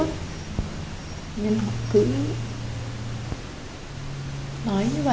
nói như vậy nên tâm lý của em bây giờ nó ít nói sao nữa